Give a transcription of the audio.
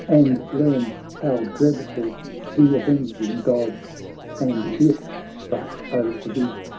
And learn how dreadful th' avenging _ Gods ! And if — but oh, forbid